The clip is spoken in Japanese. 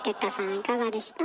いかがでした？